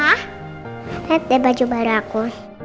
pa lihat deh baju baru aku